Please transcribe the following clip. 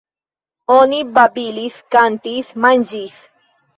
Oni babilis, kantis, manĝis.